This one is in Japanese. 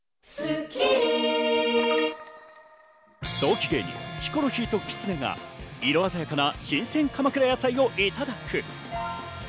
同期芸人、ヒコロヒーときつねが色鮮やかな新鮮、鎌倉野菜をいただく。